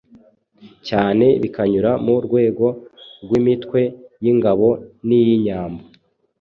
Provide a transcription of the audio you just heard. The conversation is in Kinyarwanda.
cyane bikanyura mu rwego rw'imitwe y'ingabo n'iy'inyambo